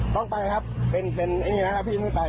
ต้องไปนะครับพี่ไม่ไป